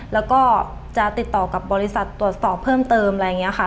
แล้วก็จะติดต่อกับบริษัทตรวจสอบเพิ่มเติมอะไรอย่างนี้ค่ะ